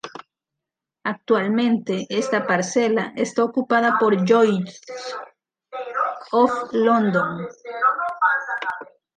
Actualmente esta parcela está ocupada por Lloyd's of London.